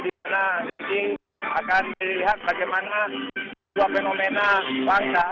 di mana nanti akan dilihat bagaimana dua fenomena bangsa